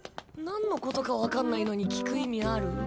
なんのことか分かんないのに聞く意味ある？